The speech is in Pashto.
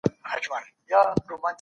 صبر انسان قوي کوي.